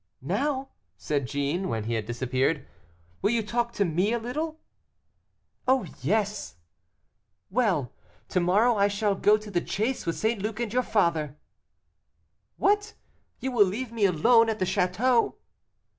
"Now!" said Jeanne, when he had disappeared, "will you talk to me a little?" "Oh! yes." "Well! to morrow I shall go to the chase with St. Luc and your father." "What, you will leave me alone at the château!"